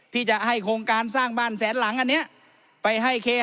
ที่จะให้โครงการสร้างบ้านแสนหลังอันนี้ไปให้เค